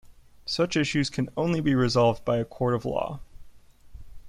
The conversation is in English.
Such issues can only be resolved by a court of law.